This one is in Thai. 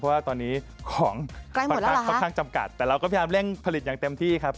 เพราะว่าตอนนี้ของค่อนข้างจำกัดแต่เราก็พยายามเร่งผลิตอย่างเต็มที่ครับ